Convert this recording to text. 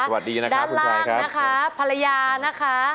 สวัสดีนะครับด้านล่างนะคะภรรยานะคะ